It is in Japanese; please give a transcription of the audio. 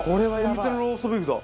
お店のローストビーフだ！